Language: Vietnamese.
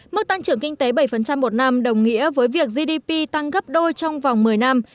mức tăng trưởng kinh tế bảy một năm đồng nghĩa với việc gdp tăng gấp đôi trong vòng một mươi năm